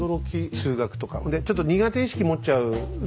数学とかちょっと苦手意識持っちゃうね